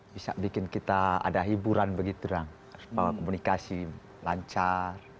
bisa bikin kita ada hiburan begitu bahwa komunikasi lancar